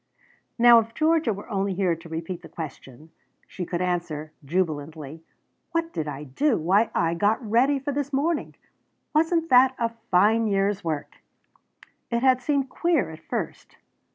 Now if Georgia were only here to repeat the question, she could answer jubilantly: "What did I do? Why, I got ready for this morning! Wasn't that a fine year's work?" It had seemed queer at first.